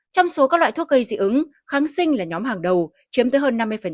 trong số các loại thuốc gây dị ứng kháng sinh là nhóm hàng đầu chiếm tới hơn năm mươi